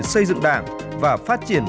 xây dựng đảng và phát triển